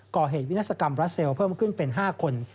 ก่อเหตุวินาศกรรมรัสเซลเพิ่มขึ้นเป็น๕คน